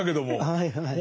はいはい。